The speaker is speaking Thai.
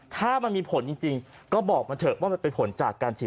ถ้ามันมีผลจริงก็บอกมาเถอะว่ามันเป็นผลจากการฉีด